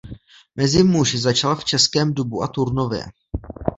Mezi muži začal v Českém Dubu a Turnově.